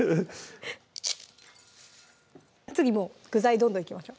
次もう具材どんどんいきましょう